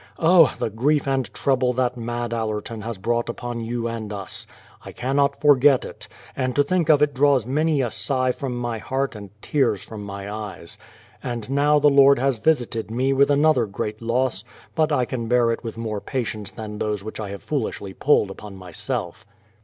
O ! the grief and trouble that mad Mr. Allerton has brought upon you and us ! I can not forget it, and to think of it draws many a sigh from my heart and tears from my eyes. And now the Lord has visited me with another great loss, but I can bear it with more patience than those which I have fooUshly pulled upon myself.